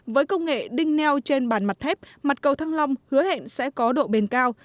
với công nghệ đinh neo trên bàn mặt thép mặt cầu thăng long hứa hẹn sẽ có độ bền cao